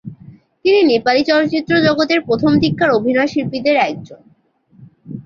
তিনি নেপালি চলচ্চিত্র জগতের প্রথম দিককার অভিনয়শিল্পীদের একজন।